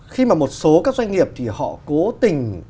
khi mà một số các doanh nghiệp thì họ cố tình